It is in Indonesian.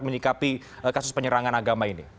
menyikapi kasus penyerangan agama